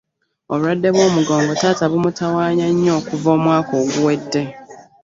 Obulwadde bw'omugongo taata bumutawaanya nnyo okuva omwaka oguwedde.